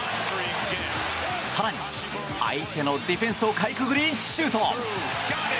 更に、相手のディフェンスをかいくぐり、シュート！